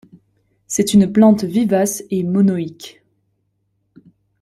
C'est une plante vivace et monoïque.